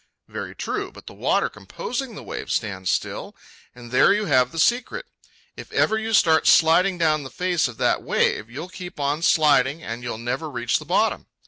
Very true, but the water composing the wave stands still, and there you have the secret. If ever you start sliding down the face of that wave, you'll keep on sliding and you'll never reach the bottom.